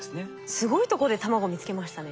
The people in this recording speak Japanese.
すごいとこで卵見つけましたね。